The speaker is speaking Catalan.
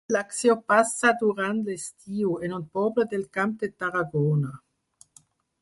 L'acció passa durant l'estiu, en un poble del Camp de Tarragona.